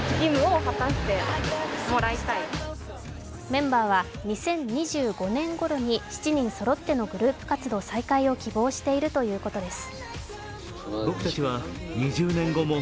メンバーは２０２５年ごろに７人そろってのグループ活動再開を希望しているということです。